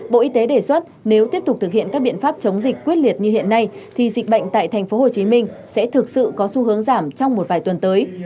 bộ y tế đề xuất nếu tiếp tục thực hiện các biện pháp chống dịch quyết liệt như hiện nay thì dịch bệnh tại tp hcm sẽ thực sự có xu hướng giảm trong một vài tuần tới